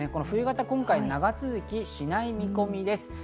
冬型、今回は長続きしない見込みです。